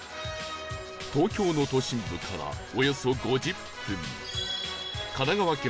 東京の都心部からおよそ５０分